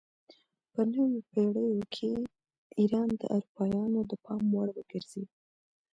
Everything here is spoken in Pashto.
په نویو پیړیو کې ایران د اروپایانو د پام وړ وګرځید.